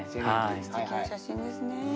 すてきな写真ですね。